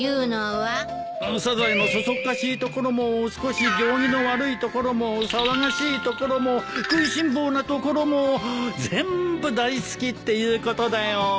サザエのそそっかしいところも少し行儀の悪いところも騒がしいところも食いしん坊なところも全部大好きっていうことだよ。